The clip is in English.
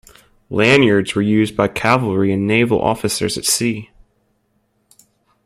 Lanyards were used by cavalry and naval officers at sea.